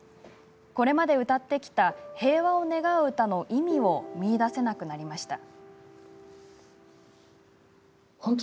これまで歌ってきた平和を願う歌の意味を見いだせなくなりました。